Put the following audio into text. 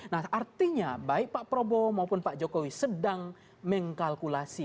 nah artinya baik pak prabowo maupun pak jokowi sedang mengkalkulasi